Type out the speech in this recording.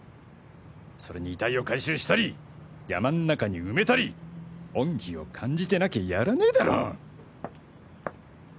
それに遺体を回収したり山ん中に埋めたり恩義を感じてなきゃやらねぇだろ！